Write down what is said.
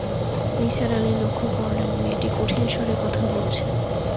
নিসার আলি লক্ষ করলেন, মেয়েটি কঠিন স্বরে কথা বলছে।